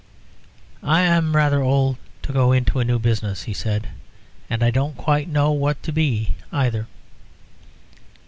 "I am rather old to go into a new business," he said, "and I don't quite know what to be, either."